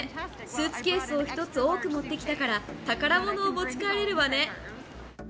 スーツケースを１つ多く持ってきたから、宝物を持ち帰れるわね。